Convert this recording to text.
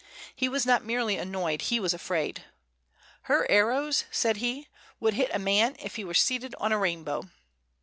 He was not merely annoyed, he was afraid. "Her arrows," said he, "would hit a man if he were seated on a rainbow."